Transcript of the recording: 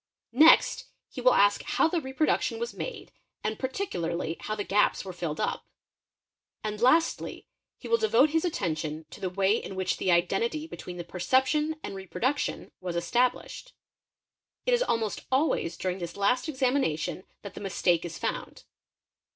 Next he will ask how the reproduction was made and particularly how the gaps' were filled up; and lastly he will devote his attention to the way — in which the identity between the perception and reproduction was established; it is almost always during this last examination that the mistake is found.